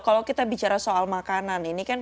kalau kita bicara soal makanan ini kan